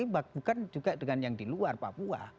bukan juga dengan yang di luar papua